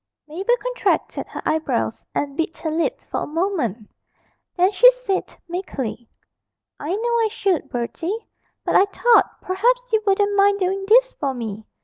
Mabel contracted her eyebrows and bit her lip for a moment, then she said meekly 'I know I should, Bertie; but I thought perhaps you wouldn't mind doing this for me.